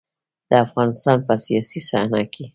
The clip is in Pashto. د افغانستان په سياسي صحنه کې.